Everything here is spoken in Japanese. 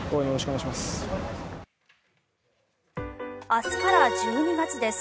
明日から１２月です。